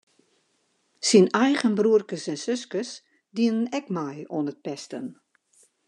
Syn eigen broerkes en suskes dienen ek mei oan it pesten.